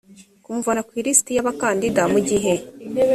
kumuvana ku ilisiti y abakandida mu gihe